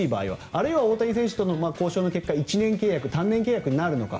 あるいは大谷選手との交渉の結果１年契約単年契約になるのか。